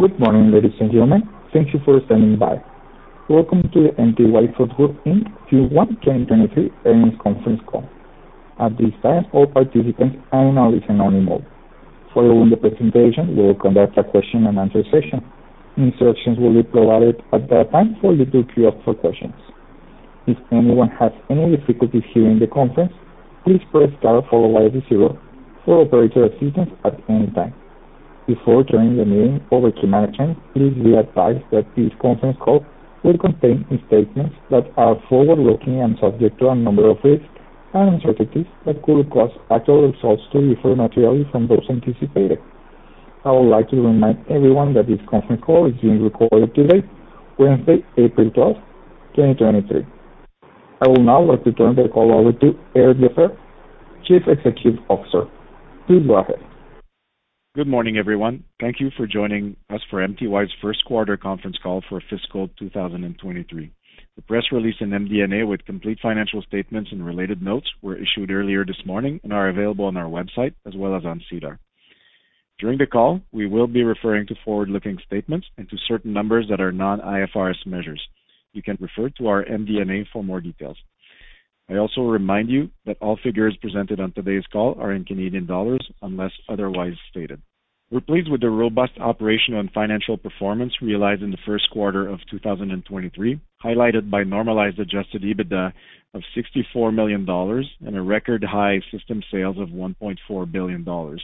Good morning, ladies and gentlemen. Thank you for standing by. Welcome to the MTY Food Group in Q1 2023 Earnings Conference Call. At this time, all participants are on a listen-only mode. Following the presentation, we will conduct a question-and-answer session. Instructions will be provided at that time for you to queue up for questions. If anyone has any difficulty hearing the conference, please press star followed by zero for operator assistance at any time. Before turning the meeting over to management, please be advised that this conference call will contain statements that are forward-looking and subject to a number of risks and uncertainties that could cause actual results to differ materially from those anticipated. I would like to remind everyone that this conference call is being recorded today, Wednesday, April 12, 2023. I would now like to turn the call over to Eric Lefebvre, Chief Executive Officer. Please go ahead. Good morning, everyone. Thank you for joining us for MTY's First Quarter Conference Call for Fiscal 2023. The press release in MD&A with complete financial statements and related notes were issued earlier this morning and are available on our website as well as on SEDAR. During the call, we will be referring to forward-looking statements and to certain numbers that are non-IFRS measures. You can refer to our MD&A for more details. I also remind you that all figures presented on today's call are in Canadian dollars unless otherwise stated. We're pleased with the robust operation and financial performance realized in the first quarter of 2023, highlighted by normalized adjusted EBITDA of 64 million dollars and a record-high system sales of 1.4 billion dollars.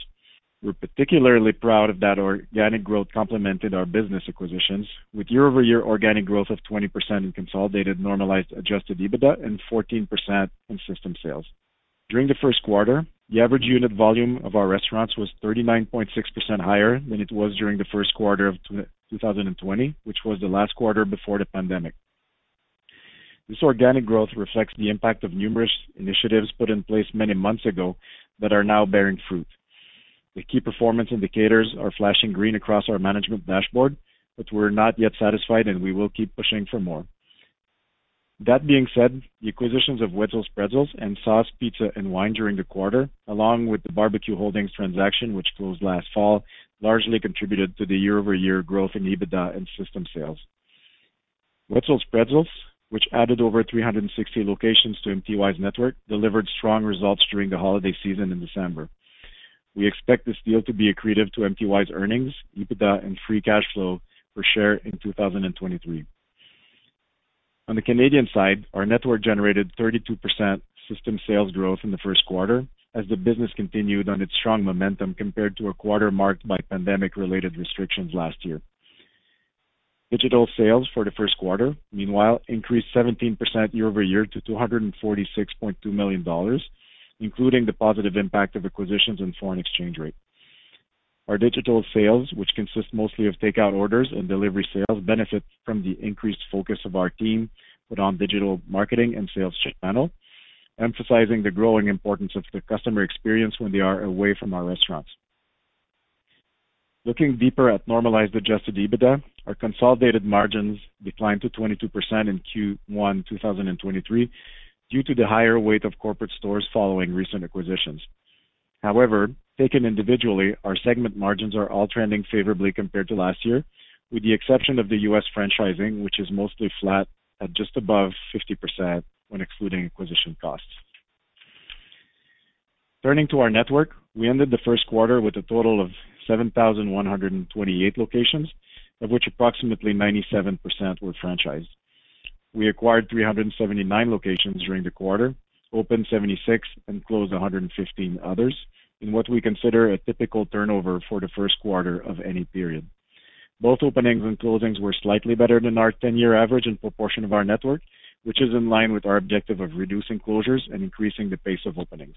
We're particularly proud of that organic growth complemented our business acquisitions with year-over-year organic growth of 20% in consolidated normalized adjusted EBITDA and 14% in system sales. During the first quarter, the average unit volume of our restaurants was 39.6% higher than it was during the first quarter of 2020, which was the last quarter before the pandemic. This organic growth reflects the impact of numerous initiatives put in place many months ago that are now bearing fruit. The key performance indicators are flashing green across our management dashboard, but we're not yet satisfied, and we will keep pushing for more. That being said, the acquisitions of Wetzel's Pretzels and Sauce Pizza & Wine during the quarter, along with the BBQ Holdings transaction, which closed last fall, largely contributed to the year-over-year growth in EBITDA and system sales. Wetzel's Pretzels, which added over 360 locations to MTY's network, delivered strong results during the holiday season in December. We expect this deal to be accretive to MTY's earnings, EBITDA, and free cash flow per share in 2023. On the Canadian side, our network generated 32% system sales growth in the first quarter as the business continued on its strong momentum compared to a quarter marked by pandemic-related restrictions last year. Digital sales for the first quarter, meanwhile, increased 17% year-over-year to 246.2 million dollars, including the positive impact of acquisitions and foreign exchange rate. Our digital sales, which consist mostly of takeout orders and delivery sales, benefit from the increased focus of our team put on digital marketing and sales channel, emphasizing the growing importance of the customer experience when they are away from our restaurants. Looking deeper at normalized adjusted EBITDA, our consolidated margins declined to 22% in Q1 2023 due to the higher weight of corporate stores following recent acquisitions. Taken individually, our segment margins are all trending favorably compared to last year, with the exception of the U.S. franchising, which is mostly flat at just above 50% when excluding acquisition costs. Turning to our network, we ended the first quarter with a total of 7,128 locations, of which approximately 97% were franchised. We acquired 379 locations during the quarter, opened 76, closed 115 others in what we consider a typical turnover for the first quarter of any period. Both openings and closings were slightly better than our 10-year average in proportion of our network, which is in line with our objective of reducing closures and increasing the pace of openings.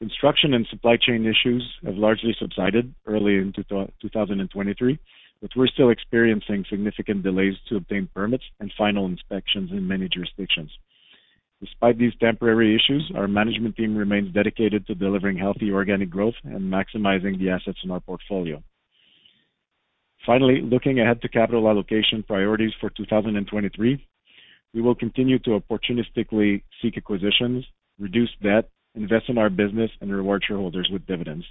Construction and supply chain issues have largely subsided early in 2023, We're still experiencing significant delays to obtain permits and final inspections in many jurisdictions. Despite these temporary issues, our management team remains dedicated to delivering healthy organic growth and maximizing the assets in our portfolio. Finally, looking ahead to capital allocation priorities for 2023, we will continue to opportunistically seek acquisitions, reduce debt, invest in our business, and reward shareholders with dividends.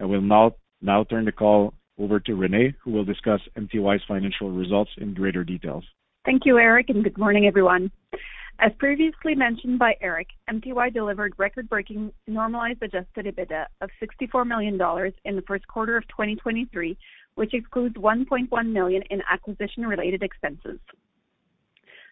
I will now turn the call over to Renee, who will discuss MTY's financial results in greater details. Thank you, Eric. Good morning, everyone. As previously mentioned by Eric, MTY delivered record-breaking normalized adjusted EBITDA of 64 million dollars in the first quarter of 2023, which excludes 1.1 million in acquisition-related expenses.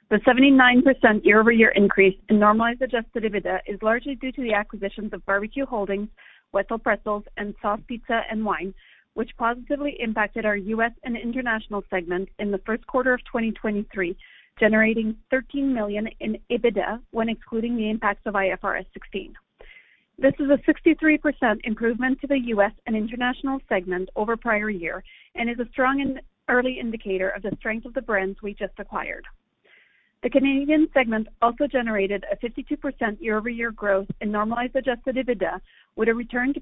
The 79% year-over-year increase in normalized adjusted EBITDA is largely due to the acquisitions of BBQ Holdings, Wetzel's Pretzels, and Sauce Pizza & Wine, which positively impacted our U.S. and international segments in the first quarter of 2023, generating 13 million in EBITDA when excluding the impacts of IFRS 16. This is a 63% improvement to the U.S. and international segment over prior year and is a strong and early indicator of the strength of the brands we just acquired. The Canadian segment also generated a 52% year-over-year growth in normalized adjusted EBITDA with a return to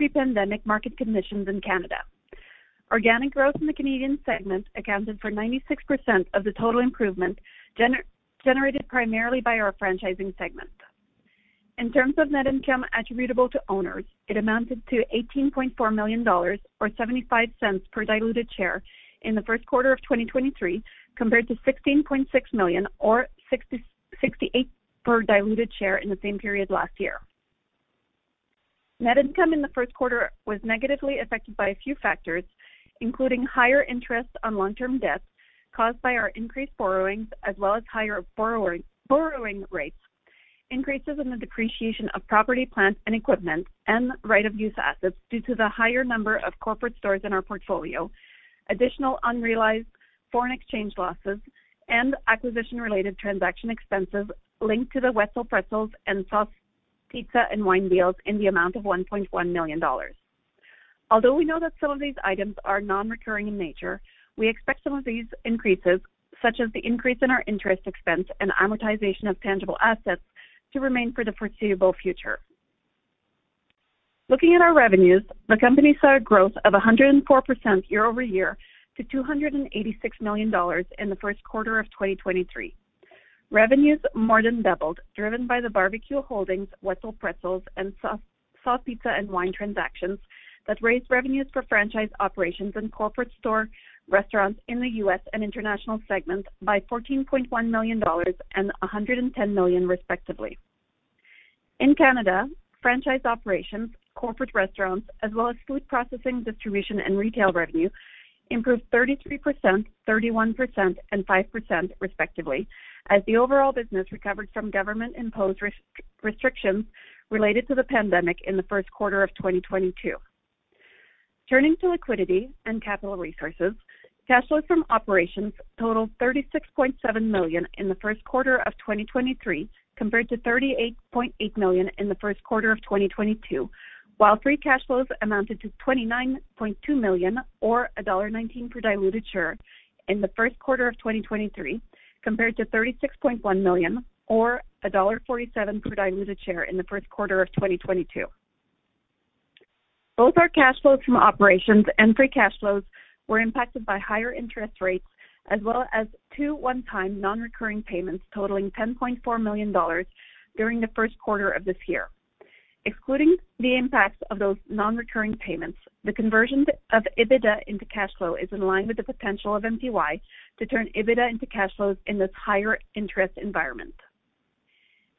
pre-pandemic market conditions in Canada. Organic growth in the Canadian segment accounted for 96% of the total improvement generated primarily by our franchising segment. In terms of net income attributable to owners, it amounted to 18.4 million dollars or 0.75 per diluted share in the first quarter of 2023, compared to 16.6 million or 0.68 per diluted share in the same period last year. Net income in the first quarter was negatively affected by a few factors, including higher interest on long-term debt caused by our increased borrowings, as well as higher borrowing rates, increases in the depreciation of property, plant and equipment and right of use assets due to the higher number of corporate stores in our portfolio, additional unrealized foreign exchange losses and acquisition-related transaction expenses linked to the Wetzel's Pretzels and Sauce Pizza & Wine deals in the amount of $1.1 million. Although we know that some of these items are non-recurring in nature, we expect some of these increases, such as the increase in our interest expense and amortization of tangible assets, to remain for the foreseeable future. Looking at our revenues, the company saw a growth of 104% year-over-year to $286 million in the first quarter of 2023. Revenues more than doubled, driven by the BBQ Holdings, Wetzel's Pretzels and Sauce Pizza & Wine transactions that raised revenues for franchise operations and corporate store restaurants in the U.S. and international segments by $14.1 million and $110 million, respectively. In Canada, franchise operations, corporate restaurants as well as food processing, distribution and retail revenue improved 33%, 31% and 5%, respectively, as the overall business recovered from government-imposed restrictions related to the pandemic in the first quarter of 2022. Turning to liquidity and capital resources, cash flows from operations totaled CAD 36.7 million in the first quarter of 2023, compared to CAD 38.8 million in the first quarter of 2022, while free cash flows amounted to CAD 29.2 million or CAD 1.19 per diluted share in the first quarter of 2023, compared to CAD 36.1 million or CAD 1.47 per diluted share in the first quarter of 2022. Both our cash flows from operations and free cash flows were impacted by higher interest rates as well as two one-time non-recurring payments totaling 10.4 million dollars during the first quarter of this year. Excluding the impacts of those non-recurring payments, the conversion of EBITDA into cash flow is in line with the potential of MTY to turn EBITDA into cash flows in this higher interest environment.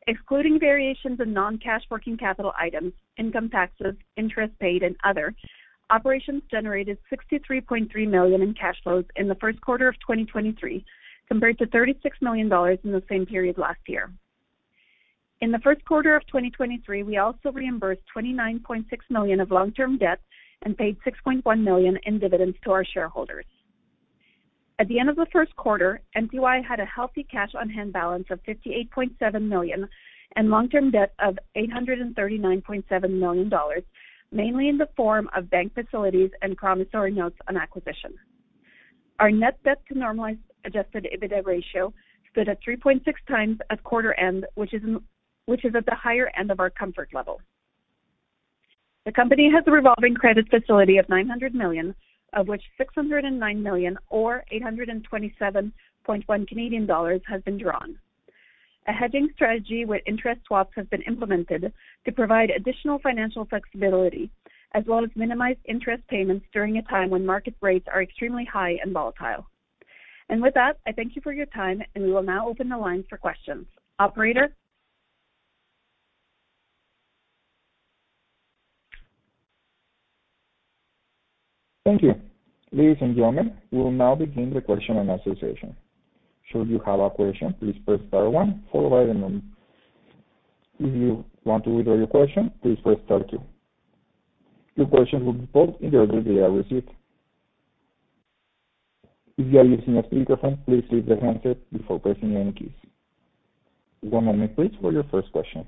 Excluding variations in non-cash working capital items, income taxes, interest paid and other, operations generated 63.3 million in cash flows in the first quarter of 2023, compared to 36 million dollars in the same period last year. In the first quarter of 2023, we also reimbursed 29.6 million of long-term debt and paid 6.1 million in dividends to our shareholders. At the end of the first quarter, MTY had a healthy cash on hand balance of 58.7 million and long-term debt of 839.7 million dollars, mainly in the form of bank facilities and promissory notes on acquisition. Our net debt to normalized adjusted EBITDA ratio stood at 3.6x at quarter end, which is at the higher end of our comfort level. The company has a revolving credit facility of $900 million, of which $609 million or 827.1 million Canadian dollars has been drawn. A hedging strategy with interest swaps has been implemented to provide additional financial flexibility as well as minimize interest payments during a time when market rates are extremely high and volatile. With that, I thank you for your time, and we will now open the lines for questions. Operator? Thank you. Ladies and gentlemen, we will now begin the question and answer session. Should you have a question, please press star one followed by the number. If you want to withdraw your question, please press star two. Your questions will be posed in the order they are received. If you are using a speakerphone, please leave the handset before pressing any keys. One moment please for your first question.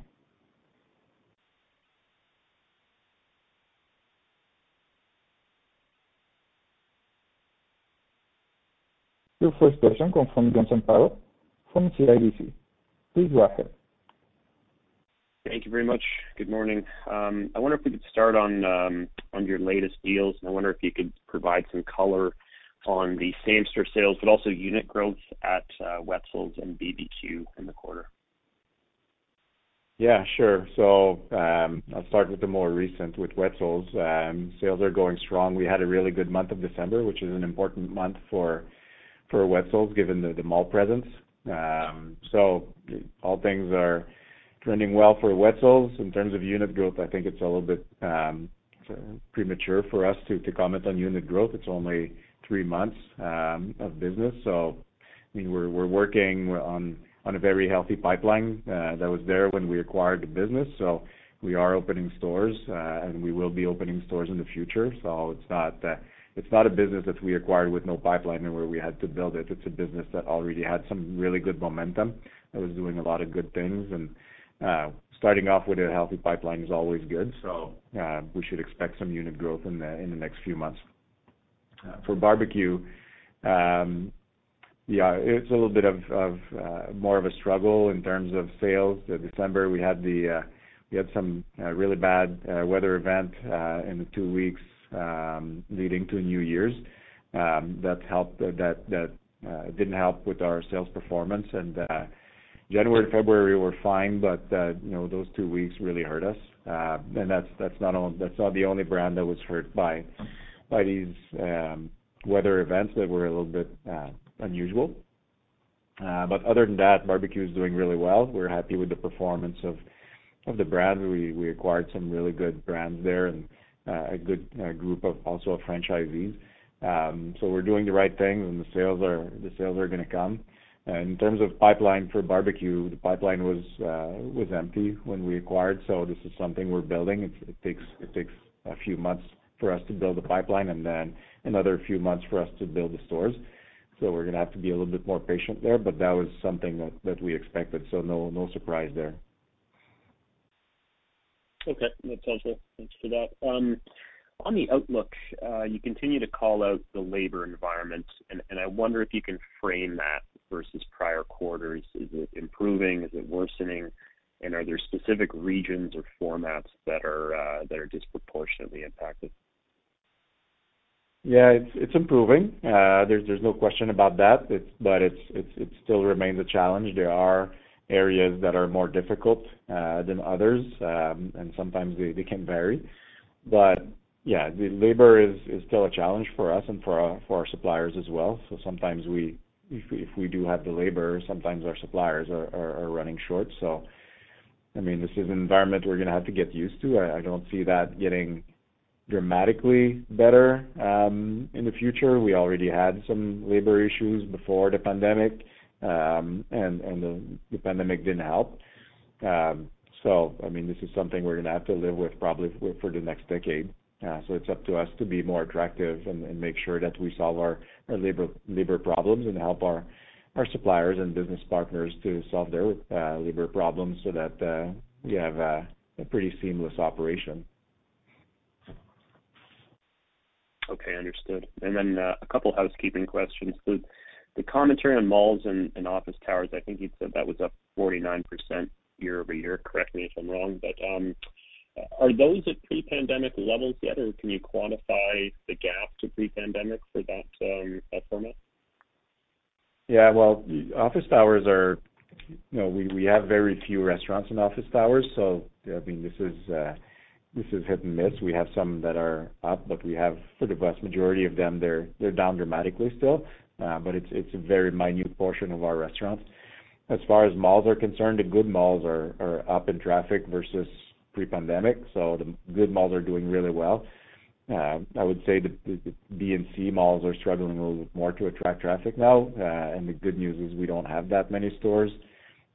Your first question comes from John Zamparo from CIBC. Please go ahead. Thank you very much. Good morning. I wonder if we could start on your latest deals, and I wonder if you could provide some color on the same-store sales, but also unit growth at Wetzel's and BBQ in the quarter. Yeah, sure. I'll start with the more recent with Wetzel's. Sales are going strong. We had a really good month of December, which is an important month for Wetzel's, given the mall presence. All things are trending well for Wetzel's. In terms of unit growth, I think it's a little bit premature for us to comment on unit growth. It's only three months of business. I mean, we're working on a very healthy pipeline, that was there when we acquired the business. We are opening stores, and we will be opening stores in the future. It's not, it's not a business that we acquired with no pipeline and where we had to build it. It's a business that already had some really good momentum, that was doing a lot of good things. Starting off with a healthy pipeline is always good. We should expect some unit growth in the next few months. For BBQ, it's a little bit of, more of a struggle in terms of sales. December, we had some really bad weather event in the two weeks leading to New Year's that didn't help with our sales performance. January and February were fine, but, you know, those two weeks really hurt us. That's not the only brand that was hurt by these weather events that were a little bit unusual. But other than that, BBQ's doing really well. We're happy with the performance of the brand. We acquired some really good brands there and a good group of also franchisees. We're doing the right things, and the sales are gonna come. In terms of pipeline for BBQ, the pipeline was empty when we acquired. This is something we're building. It takes a few months for us to build a pipeline and then another few months for us to build the stores. We're gonna have to be a little bit more patient there, but that was something that we expected. No surprise there. Okay. That's helpful. Thanks for that. On the outlook, you continue to call out the labor environment, and I wonder if you can frame that versus prior quarters. Is it improving? Is it worsening? Are there specific regions or formats that are disproportionately impacted? Yeah, it's improving. There's no question about that. It still remains a challenge. There are areas that are more difficult than others, and sometimes they can vary. Yeah, the labor is still a challenge for us and for our suppliers as well. Sometimes we, if we do have the labor, sometimes our suppliers are running short. I mean, this is an environment we're gonna have to get used to. I don't see that getting dramatically better in the future. We already had some labor issues before the pandemic, and the pandemic didn't help. I mean, this is something we're gonna have to live with probably for the next decade. It's up to us to be more attractive and make sure that we solve our labor problems and help our suppliers and business partners to solve their labor problems so that we have a pretty seamless operation. Okay. Understood. A couple housekeeping questions. The commentary on malls and office towers, I think you said that was up 49% year-over-year. Correct me if I'm wrong, are those at pre-pandemic levels yet, or can you quantify the gap to pre-pandemic for that format? Well, office towers are... You know, we have very few restaurants in office towers, so I mean, this is hit and miss. We have some that are up, but we have for the vast majority of them, they're down dramatically still. It's a very minute portion of our restaurants. As far as malls are concerned, the good malls are up in traffic versus pre-pandemic, so the good malls are doing really well. I would say the B&C malls are struggling a little bit more to attract traffic now. The good news is we don't have that many stores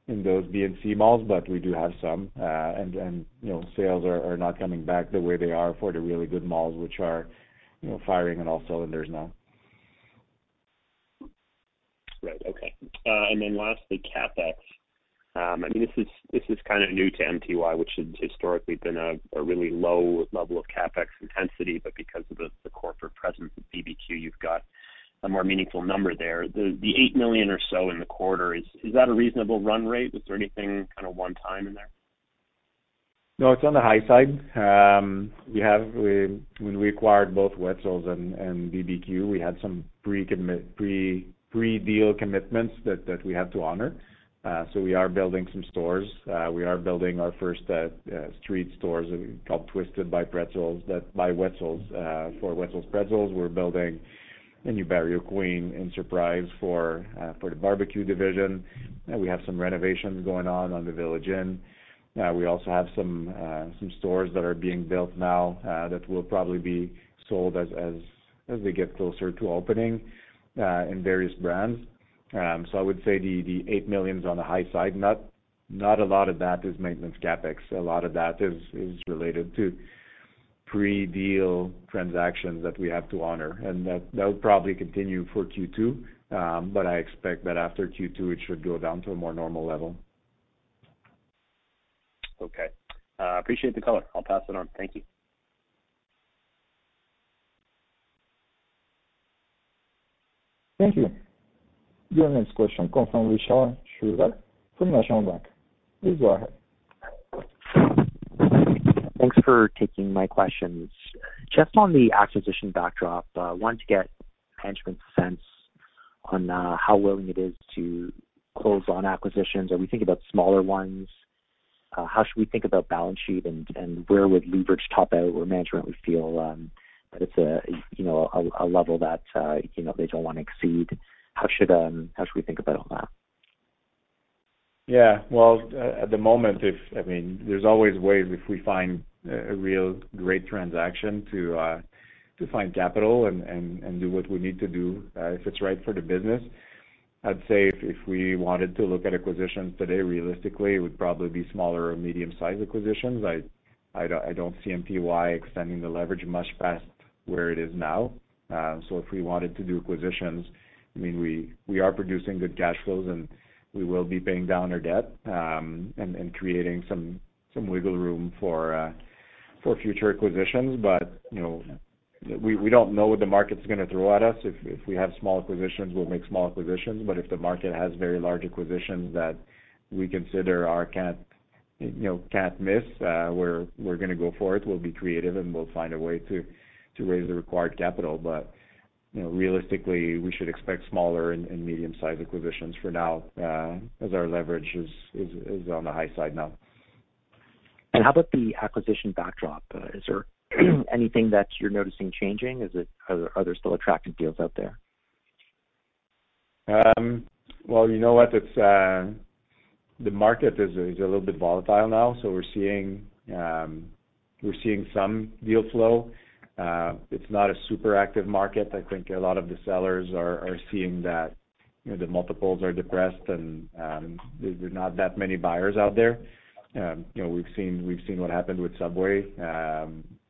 in those B&C malls, but we do have some. You know, sales are not coming back the way they are for the really good malls, which are, you know, firing on all cylinders now. Right. Okay. Then lastly, CapEx. I mean, this is kind of new to MTY, which has historically been a really low level of CapEx intensity, but because of the corporate presence of BBQ, you've got a more meaningful number there. The $8 million or so in the quarter, is that a reasonable run rate? Is there anything kind of one time in there? No, it's on the high side. When we acquired both Wetzel's and BBQ, we had some pre-deal commitments that we have to honor. We are building some stores. We are building our first street stores called Twisted by Wetzel's for Wetzel's Pretzels. We're building in New Barrio Queen in Surprise for the BBQ division, we have some renovations going on on the Village Inn. We also have some stores that are being built now that will probably be sold as we get closer to opening in various brands. I would say the $8 million's on the high side. Not a lot of that is maintenance CapEx. A lot of that is related to pre-deal transactions that we have to honor. That will probably continue for Q2, but I expect that after Q2, it should go down to a more normal level. Okay. appreciate the color. I'll pass it on. Thank you. Thank you. Your next question comes from Vishal Shreedhar from National Bank. Please go ahead. Thanks for taking my questions. Just on the acquisition backdrop, wanted to get management's sense on, how willing it is to close on acquisitions. Are we thinking about smaller ones? How should we think about balance sheet, and where would leverage top out, where management would feel, that it's a, you know, a level that, you know, they don't wanna exceed? How should we think about that? Yeah. Well, at the moment, if, I mean, there's always ways if we find a real great transaction to find capital and, and do what we need to do, if it's right for the business. I'd say if we wanted to look at acquisitions today, realistically, it would probably be smaller or medium-sized acquisitions. I don't, I don't see MTY extending the leverage much past where it is now. If we wanted to do acquisitions, I mean, we are producing good cash flows, and we will be paying down our debt, and creating some wiggle room for future acquisitions, but, you know, we don't know what the market's gonna throw at us. If we have small acquisitions, we'll make small acquisitions, but if the market has very large acquisitions that we consider are, you know, can't miss, we're gonna go for it. We'll be creative, and we'll find a way to raise the required capital. You know, realistically, we should expect smaller and medium-sized acquisitions for now, as our leverage is on the high side now. How about the acquisition backdrop? Is there anything that you're noticing changing? Are there still attractive deals out there? Well, you know what? It's, the market is a little bit volatile now, so we're seeing some deal flow. It's not a super active market. I think a lot of the sellers are seeing that, you know, the multiples are depressed and, there's not that many buyers out there. You know, we've seen what happened with Subway.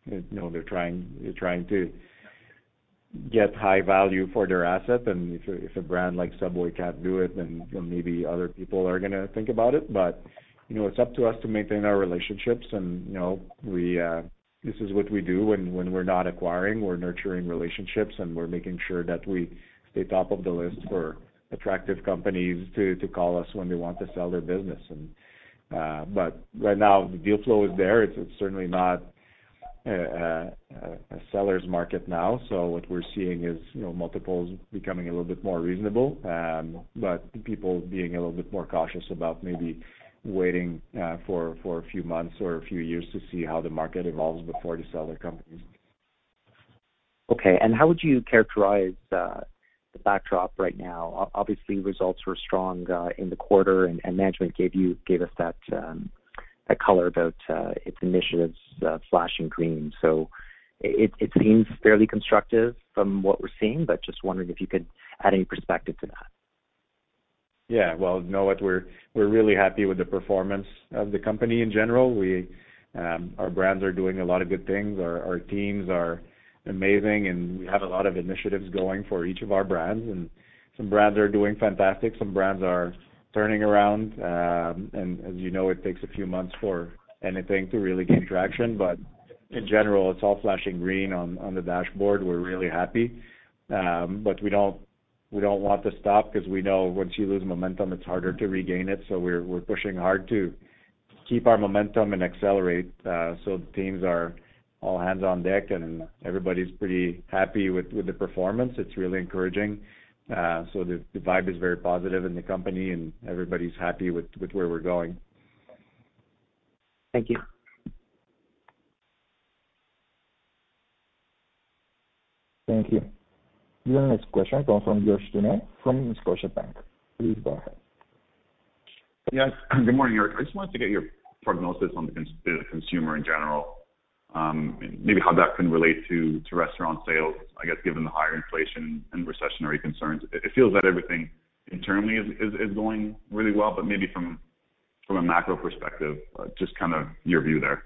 You know, they're trying to get high value for their asset, and if a brand like Subway can't do it, then, you know, maybe other people are gonna think about it. You know, it's up to us to maintain our relationships and, you know, we, this is what we do when we're not acquiring. We're nurturing relationships, and we're making sure that we stay top of the list for attractive companies to call us when they want to sell their business. But right now, the deal flow is there. It's certainly not a seller's market now, what we're seeing is, you know, multiples becoming a little bit more reasonable. But people being a little bit more cautious about maybe waiting for a few months or a few years to see how the market evolves before they sell their companies. Okay. How would you characterize, the backdrop right now? Obviously, results were strong, in the quarter, and management gave us that color about, its initiatives, flashing green. It seems fairly constructive from what we're seeing, but just wondering if you could add any perspective to that. Well, you know what? We're really happy with the performance of the company in general. We, our brands are doing a lot of good things. Our teams are amazing. We have a lot of initiatives going for each of our brands. Some brands are doing fantastic, some brands are turning around. As you know, it takes a few months for anything to really gain traction. In general, it's all flashing green on the dashboard. We're really happy. We don't want to stop 'cause we know once you lose momentum, it's harder to regain it. We're pushing hard to keep our momentum and accelerate. The teams are all hands on deck. Everybody's pretty happy with the performance. It's really encouraging. The vibe is very positive in the company, and everybody's happy with where we're going. Thank you. Thank you. Your next question comes from George Doumet from Scotiabank. Please go ahead. Yes. Good morning, Eric. I just wanted to get your prognosis on the consumer in general, and maybe how that can relate to restaurant sales, I guess, given the higher inflation and recessionary concerns. It feels that everything internally is going really well, but maybe from a macro perspective, just kind of your view there.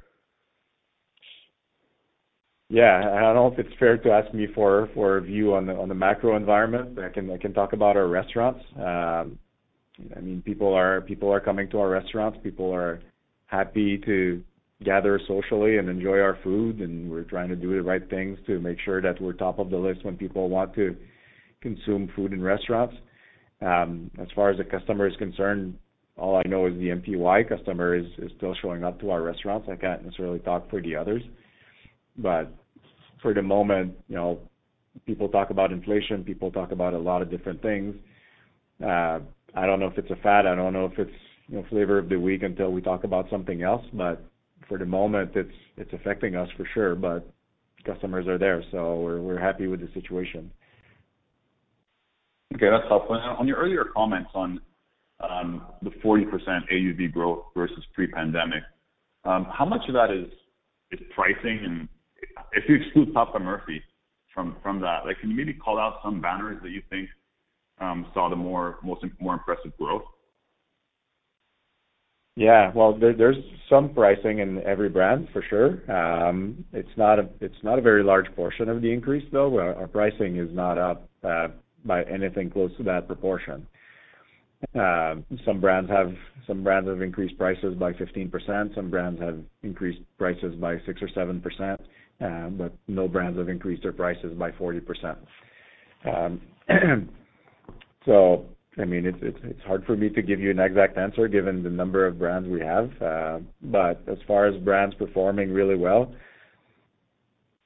Yeah. I don't know if it's fair to ask me for a view on the macro environment. I can talk about our restaurants. I mean, people are coming to our restaurants. People are happy to gather socially and enjoy our food, and we're trying to do the right things to make sure that we're top of the list when people want to consume food in restaurants. As far as the customer is concerned, all I know is the MTY customer is still showing up to our restaurants. I can't necessarily talk for the others. For the moment, you know, people talk about inflation, people talk about a lot of different things. I don't know if it's a fad, I don't know if it's, you know, flavor of the week until we talk about something else, but for the moment, it's affecting us for sure, but customers are there, so we're happy with the situation. Okay, that's helpful. On your earlier comments on the 40% AUV growth versus pre-pandemic, how much of that is pricing? If you exclude Papa Murphy's from that, like, can you maybe call out some banners that you think saw the more impressive growth? Well, there's some pricing in every brand, for sure. It's not a very large portion of the increase, though. Our pricing is not up by anything close to that proportion. Some brands have increased prices by 15%, some brands have increased prices by 6% or 7%, but no brands have increased their prices by 40%. I mean, it's hard for me to give you an exact answer given the number of brands we have. As far as brands performing really well,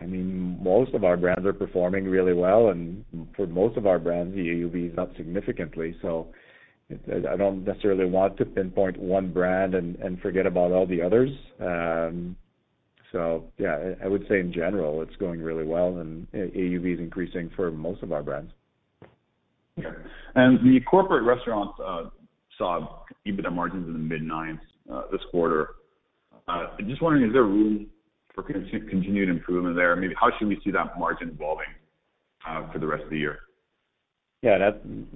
I mean, most of our brands are performing really well, and for most of our brands, the AUV is up significantly, I don't necessarily want to pinpoint one brand and forget about all the others. Yeah. I would say in general, it's going really well, and AUV is increasing for most of our brands. Okay. The corporate restaurants saw EBITDA margins in the mid-nines this quarter. I'm just wondering, is there room for continued improvement there? I mean, how should we see that margin evolving for the rest of the year? Yeah,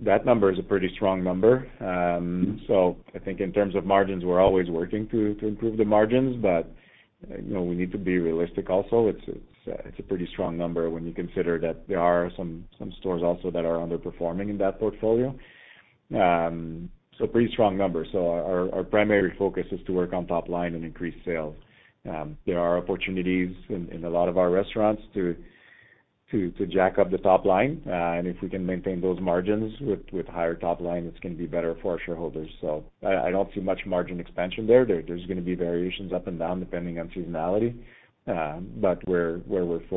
that number is a pretty strong number. I think in terms of margins, we're always working to improve the margins, but, you know, we need to be realistic also. It's a pretty strong number when you consider that there are some stores also that are underperforming in that portfolio. Pretty strong numbers. Our primary focus is to work on top line and increase sales. There are opportunities in a lot of our restaurants to jack up the top line. If we can maintain those margins with higher top line, it's gonna be better for our shareholders. I don't see much margin expansion there. There's gonna be variations up and down depending on seasonality. Where we're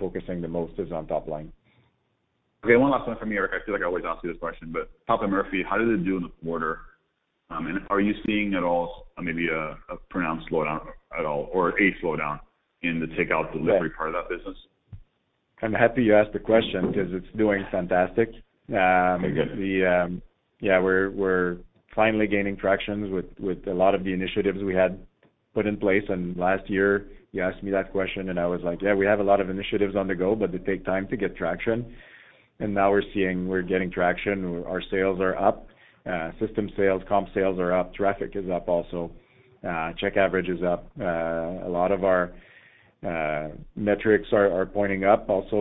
focusing the most is on top line. Okay, one last one from me, Eric. I feel like I always ask you this question, but Papa Murphy's, how did it do in the quarter? Are you seeing at all maybe a pronounced slowdown at all, or a slowdown in the takeout delivery part of that business? I'm happy you asked the question because it's doing fantastic. Very good. Yeah, we're finally gaining tractions with a lot of the initiatives we had put in place. Last year, you asked me that question, and I was like, "Yeah, we have a lot of initiatives on the go, but they take time to get traction." Now we're seeing we're getting traction. Our sales are up. System sales, comp sales are up. Traffic is up also. Check average is up. A lot of our metrics are pointing up also.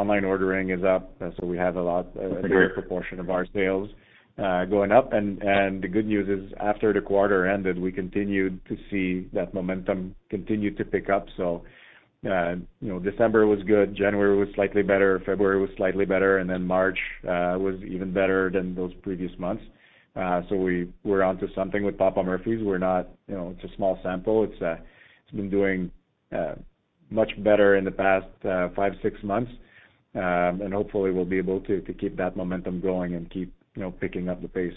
Online ordering is up. We have a lot- That's great. A greater proportion of our sales going up. The good news is after the quarter ended, we continued to see that momentum continue to pick up. You know, December was good, January was slightly better, February was slightly better, March was even better than those previous months. We're onto something with Papa Murphy's. We're not, you know, it's a small sample. It's been doing much better in the past five, six months. Hopefully we'll be able to keep that momentum going and keep, you know, picking up the pace.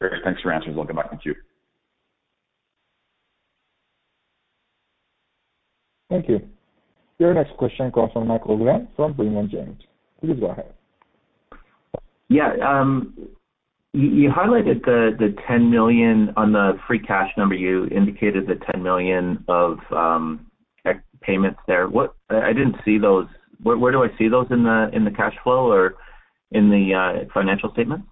Great. Thanks for your answers. Welcome back to you. Thank you. Your next question comes from Sharon Zackfia from William Blair. Please go ahead. Yeah. You highlighted the 10 million on the free cash number. You indicated the 10 million of extra payments there. I didn't see those. Where do I see those? In the cash flow or in the financial statement?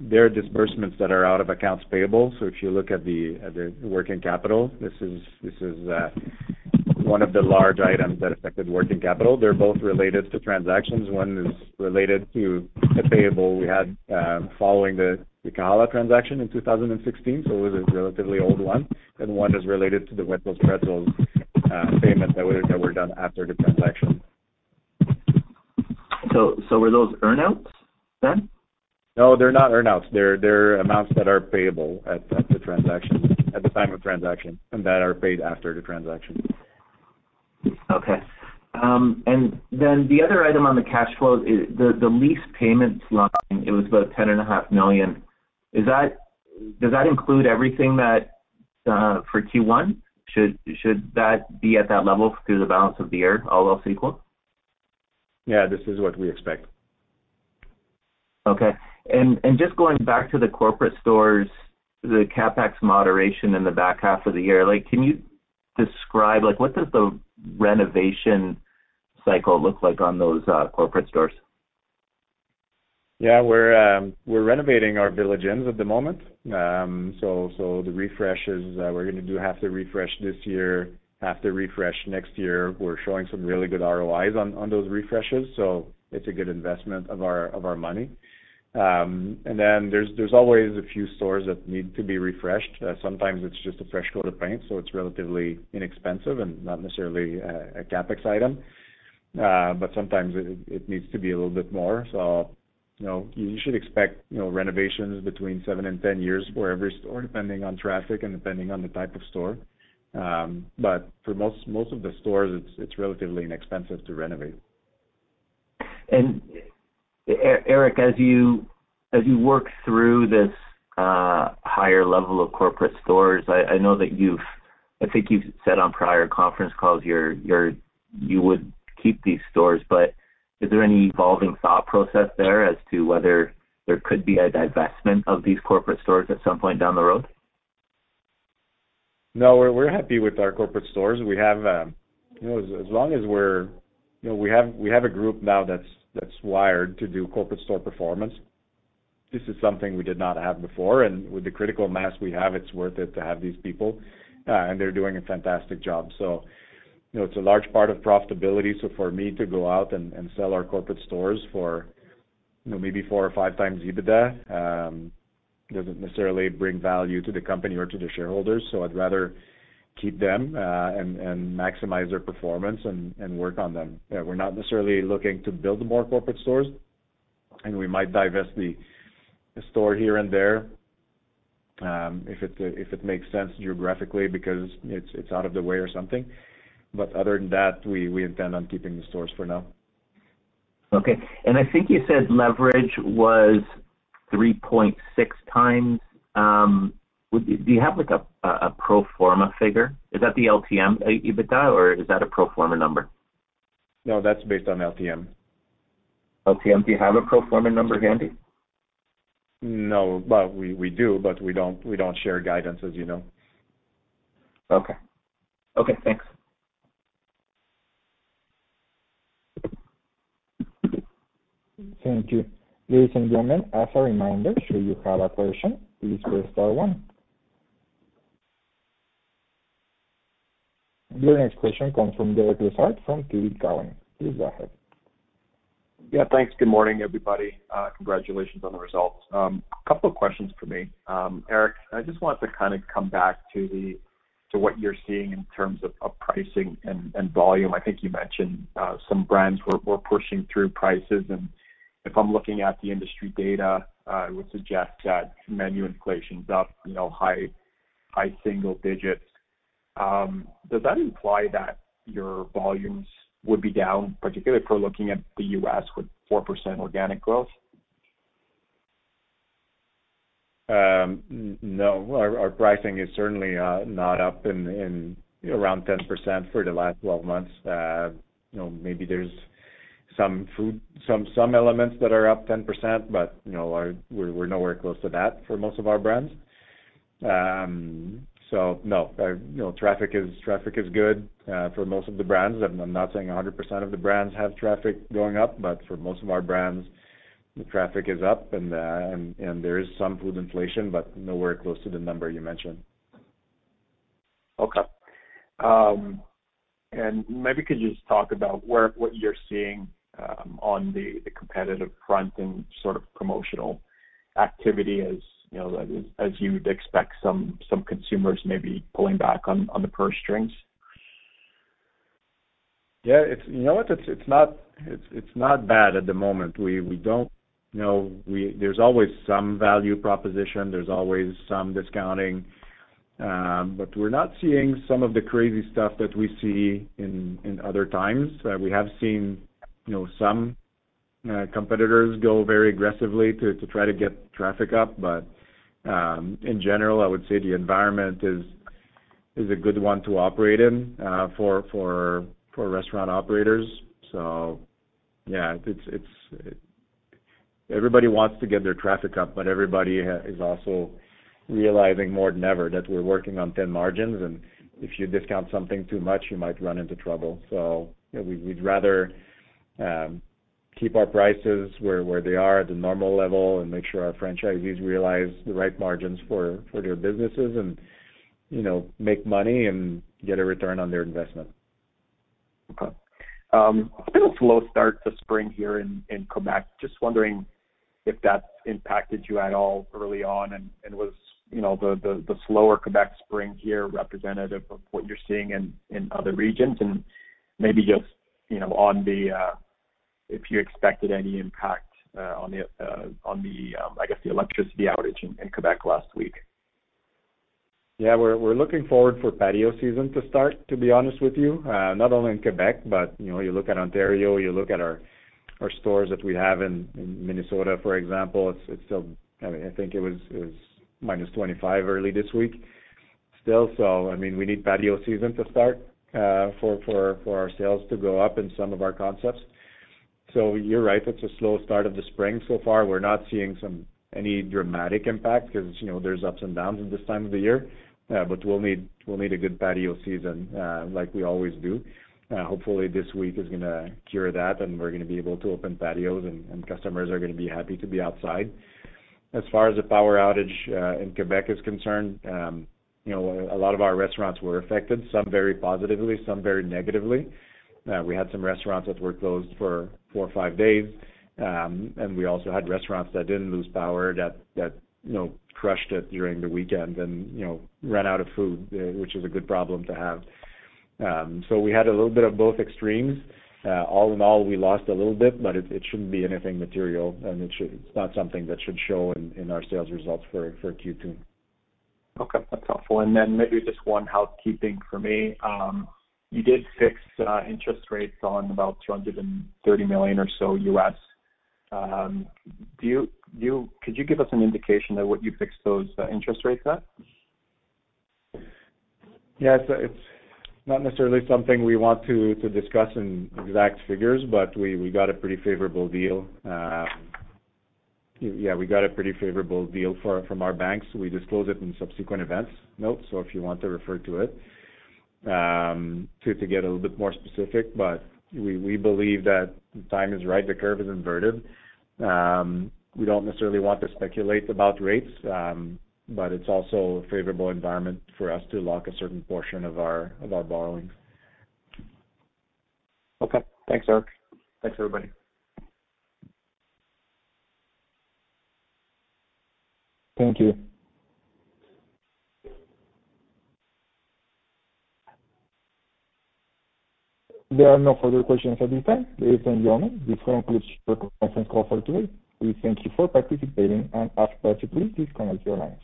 They're disbursements that are out of accounts payable. If you look at the working capital, this is one of the large items that affected working capital. They're both related to transactions. One is related to a payable we had following the Kahala transaction in 2016. It was a relatively old one, and one is related to the Wetzel's Pretzels payment that were done after the transaction. Were those earn-outs then? No, they're not earn-outs. They're amounts that are payable at the transaction, at the time of transaction and that are paid after the transaction. Okay. The other item on the cash flow is the lease payments line, it was about ten and a half million. Does that include everything that for Q1, should that be at that level through the balance of the year, all else equal? Yeah, this is what we expect. Okay. Just going back to the corporate stores, the CapEx moderation in the back half of the year. Like, can you describe, like, what does the renovation cycle look like on those corporate stores? Yeah. We're renovating our Village Inns at the moment. The refreshes, we're gonna do half the refresh this year, half the refresh next year. We're showing some really good ROIs on those refreshes, so it's a good investment of our money. Then there's always a few stores that need to be refreshed. Sometimes it's just a fresh coat of paint, so it's relatively inexpensive and not necessarily a CapEx item. Sometimes it needs to be a little bit more. You know, you should expect, you know, renovations between seven and 10 years for every store, depending on traffic and depending on the type of store. For most of the stores, it's relatively inexpensive to renovate. Eric, as you work through this higher level of corporate stores, I think you've said on prior conference calls, you would keep these stores. Is there any evolving thought process there as to whether there could be a divestment of these corporate stores at some point down the road? No, we're happy with our corporate stores. We have, you know, we have a group now that's wired to do corporate store performance. This is something we did not have before. With the critical mass we have, it's worth it to have these people, and they're doing a fantastic job. You know, it's a large part of profitability. For me to go out and sell our corporate stores for, you know, maybe 4x or 5x EBITDA, doesn't necessarily bring value to the company or to the shareholders. I'd rather keep them, and maximize their performance and work on them. We're not necessarily looking to build more corporate stores, and we might divest the store here and there, if it makes sense geographically because it's out of the way or something. Other than that, we intend on keeping the stores for now. Okay. I think you said leverage was 3.6x. Do you have like a pro forma figure? Is that the LTM EBITDA, or is that a pro forma number? No, that's based on LTM. LTM. Do you have a pro forma number handy? No. We do, but we don't share guidance, as you know. Okay. Okay, thanks. Thank you. Ladies and gentlemen, as a reminder, should you have a question, please press star one. Your next question comes from Derek Lessard from TD Cowen. Please go ahead. Yeah, thanks. Good morning, everybody. Congratulations on the results. A couple of questions for me. Eric, I just wanted to kinda come back to what you're seeing in terms of pricing and volume. I think you mentioned some brands were pushing through prices. If I'm looking at the industry data, it would suggest that menu inflation's up, you know, high single digits. Does that imply that your volumes would be down, particularly if we're looking at the U.S. with 4% organic growth? No. Our pricing is certainly not up in, you know, around 10% for the last 12 months. you know, maybe there's some elements that are up 10%, but, you know, we're nowhere close to that for most of our brands. No. Our, you know, traffic is good for most of the brands. I'm not saying 100% of the brands have traffic going up, but for most of our brands, the traffic is up, and there is some food inflation, but nowhere close to the number you mentioned. Okay. Maybe could you just talk about what you're seeing on the competitive front and sort of promotional activity as, you know, as you would expect some consumers may be pulling back on the purse strings? Yeah. You know what? It's not bad at the moment. We don't, you know, there's always some value proposition. There's always some discounting. We're not seeing some of the crazy stuff that we see in other times. We have seen, you know, some competitors go very aggressively to try to get traffic up. In general, I would say the environment is a good one to operate in for restaurant operators. Yeah, everybody wants to get their traffic up, but everybody is also realizing more than ever that we're working on thin margins, and if you discount something too much, you might run into trouble. you know, we'd rather keep our prices where they are at the normal level and make sure our franchisees realize the right margins for their businesses and, you know, make money and get a return on their investment. Okay. It's been a slow start to spring here in Quebec. Just wondering if that's impacted you at all early on, and was, you know, the slower Quebec spring here representative of what you're seeing in other regions? Maybe just, you know, if you expected any impact on the, I guess, the electricity outage in Quebec last week? Yeah. We're looking forward for patio season to start, to be honest with you. Not only in Quebec, you know, you look at Ontario, you look at our stores that we have in Minnesota, for example, it's still. I mean, I think it was minus 25 early this week still. I mean, we need patio season to start for our sales to go up in some of our concepts. You're right, that's a slow start of the spring so far. We're not seeing any dramatic impact 'cause, you know, there's ups and downs at this time of the year. We'll need a good patio season, like we always do. Hopefully this week is gonna cure that, and we're gonna be able to open patios and customers are gonna be happy to be outside. As far as the power outage in Quebec is concerned, you know, a lot of our restaurants were affected, some very positively, some very negatively. We had some restaurants that were closed for four or five days. We also had restaurants that didn't lose power that, you know, crushed it during the weekend and, you know, ran out of food, which is a good problem to have. We had a little bit of both extremes. All in all, we lost a little bit, but it shouldn't be anything material, and It's not something that should show in our sales results for Q2. Okay. That's helpful. Then maybe just one housekeeping for me. You did fix interest rates on about $230 million or so U.S. Could you give us an indication of what you fixed those interest rates at? It's not necessarily something we want to discuss in exact figures, but we got a pretty favorable deal. We got a pretty favorable deal from our banks. We disclose it in subsequent events notes, if you want to refer to it to get a little bit more specific. We believe that the time is right. The curve is inverted. We don't necessarily want to speculate about rates, it's also a favorable environment for us to lock a certain portion of our borrowings. Okay. Thanks, Eric. Thanks, everybody. Thank you. There are no further questions at this time. Ladies and gentlemen, this concludes the conference call for today. We thank you for participating and ask that you please disconnect your lines.